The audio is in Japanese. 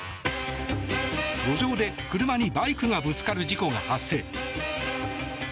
路上で車にバイクがぶつかる事故が発生。